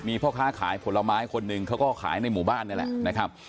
มีพ่อค้าขายผลไม้คนหนึ่งเขาก็ขายในหมู่บ้านนี่แหละนะครับ